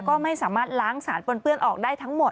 ก็ไม่สามารถล้างสารปนเปื้อนออกได้ทั้งหมด